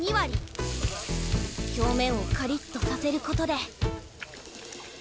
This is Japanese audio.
表面をカリッとさせることで。